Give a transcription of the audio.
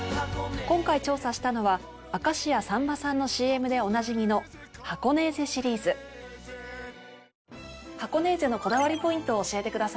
今回調査したのは明石家さんまさんのＣＭでおなじみのハコネーゼのこだわりポイントを教えてください。